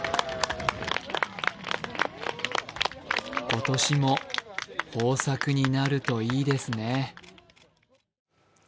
今年も豊作になるといいですね。